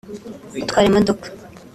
gutwara imodoka